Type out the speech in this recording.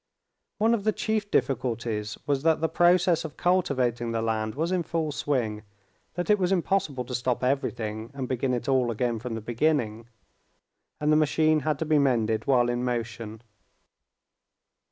One of the chief difficulties was that the process of cultivating the land was in full swing, that it was impossible to stop everything and begin it all again from the beginning, and the machine had to be mended while in motion.